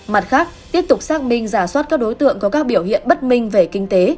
mặt khác tiếp tục xác minh giả soát các đối tượng có các biểu hiện bất minh về kinh tế